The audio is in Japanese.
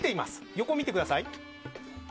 横見てください。